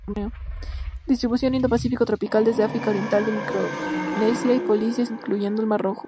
Distribución: Indo-Pacífico tropical, desde África oriental a Micronesia y Polinesia, incluyendo el Mar Rojo.